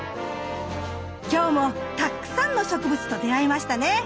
今日もたくさんの植物と出会えましたね。